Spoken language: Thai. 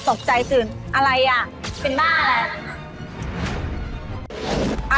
ตกใจตื่นอะไรอ่ะเป็นบ้าอะไร